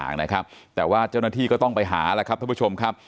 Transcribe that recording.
นะครับแต่ว่าเจ้าหน้าที่ก็ต้องไปหาแล้วครับท่านผู้ชมครับ